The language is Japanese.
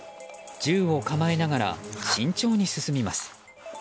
銃を構えながら慎重に進みます。